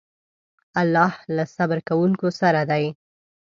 الله له صبر کوونکو سره دی.